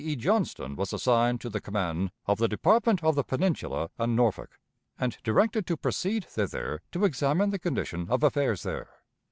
E. Johnston was assigned to the command of the Department of the Peninsula and Norfolk, and directed to proceed thither to examine the condition of affairs there.